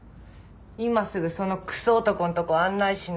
今すぐそのクソ男のとこ案内しな。